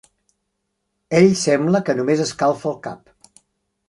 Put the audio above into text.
Ell sembla que només escalfa el cap.